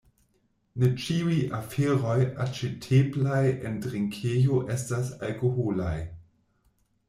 Ne ĉiuj aferoj aĉeteblaj en drinkejo estas alkoholaj: